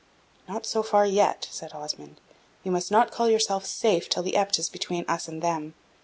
"Not so far yet," said Osmond; "you must not call yourself safe till the Epte is between us and them.